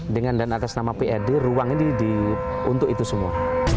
dengan dan atas nama pad ruang ini untuk itu semua